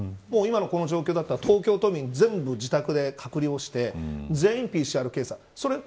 今の状況だったら東京都民全部、自宅で隔離をして全員ＰＣＲ検査。